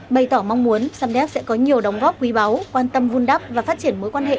bày tỏ mong muốn samdeck sẽ có nhiều đóng góp quý báu quan tâm vun đắp và phát triển mối quan hệ